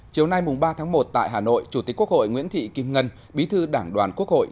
chiều nay ba tháng một tại hà nội chủ tịch quốc hội nguyễn thị kim ngân bí thư đảng đoàn quốc hội